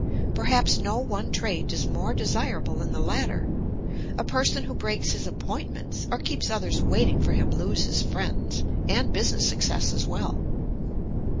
Perhaps no one trait is more desirable than the latter. A person who breaks his appointments, or keeps others waiting for him, loses friends, and business success as well.